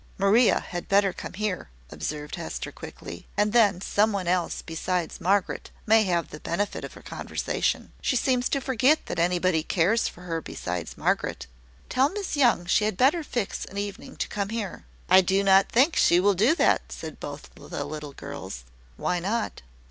"Maria had better come here," observed Hester, quickly; "and then some one else besides Margaret may have the benefit of her conversation. She seems to forget that anybody cares for her besides Margaret. Tell Miss Young she had better fix an evening to come here." "I do not think she will do that," said both the little girls. "Why not?"